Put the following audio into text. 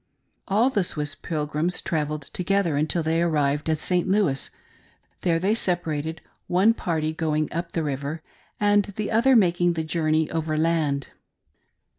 All the Swiss pilgrims travelled together until they arrived at St. Louis ; there they separated, one party going up the river, and the other making the journey overland.